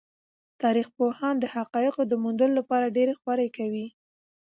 تاریخ پوهان د حقایقو د موندلو لپاره ډېرې خوارۍ کوي.